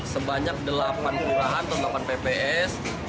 sebanyak delapan kelurahan atau delapan pps